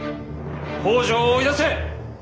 北条を追い出せ！